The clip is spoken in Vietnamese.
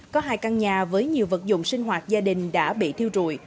có hai căn nhà với nhiều vật dụng sinh hoạt gia đình đã bị thiêu rụi